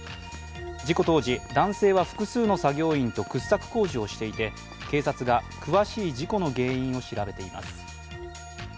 事故当時、男性は複数の作業員と掘削工事をしていて、警察が詳しい事故の原因を調べています。